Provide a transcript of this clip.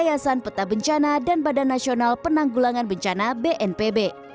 antara yayasan petabencana dan badan nasional penanggulangan bencana bnpb